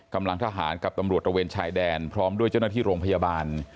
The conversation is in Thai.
กำลังทหารกับตำรวจตระเวนชายแดนพร้อมด้วยเจ้าหน้าที่โรงพยาบาล